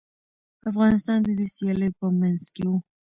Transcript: افغانستان د دې سیالیو په منځ کي و.